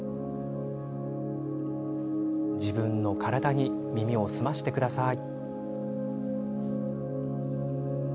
自分の体に耳を澄ましてください。